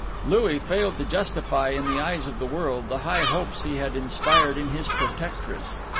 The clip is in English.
Louis failed to justify in the eyes of the world the high hopes he had inspired in his protectress.